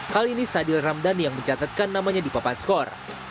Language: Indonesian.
kali ini sadil ramdhani yang mencatatkan namanya di papan skor